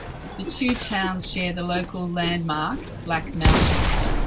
The two towns share the local landmark Black Mountain.